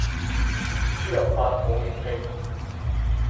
輸入法冇粵拼